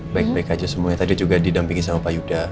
baik baik aja semuanya tadi juga didampingi sama pak yuda